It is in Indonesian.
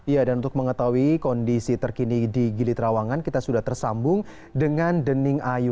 ya dan untuk mengetahui kondisi terkini di gili terawangan kita sudah tersambung dengan dening ayu